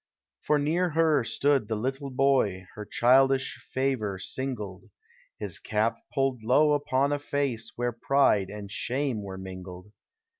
For near her stood the little boy IJer childish favor singled : His cap pulled low upon a face Where pride and shame were mingled.